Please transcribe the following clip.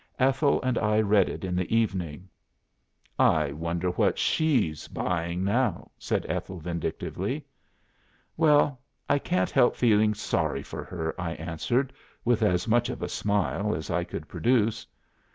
Ethel and I read it in the evening." "'I wonder what she's buying now?' said Ethel, vindictively." "'Well, I can't help feeling sorry for her,' I answered, with as much of a smile as I could produce."